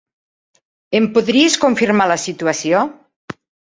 Em podries confirmar la situació?